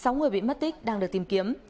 sáu người bị mất tích đang được tìm kiếm